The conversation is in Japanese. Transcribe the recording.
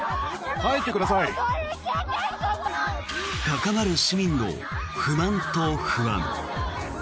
高まる市民の不満と不安。